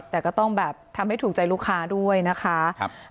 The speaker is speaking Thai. แต่ก็ต้องแบบทำให้ถูกใจลูกค้าด้วยนะคะ